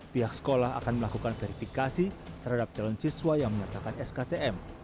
pihak sekolah akan melakukan verifikasi terhadap calon siswa yang menyertakan sktm